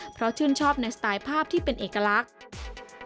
เพราะชื่นชอบในสไตล์ภาพที่เป็นเอกลักษณ์